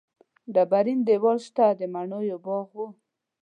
ډبرین دېوال شاته د مڼو یو باغ و.